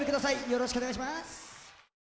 よろしくお願いします。